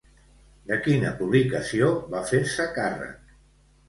De quina publicació va fer-se càrrec?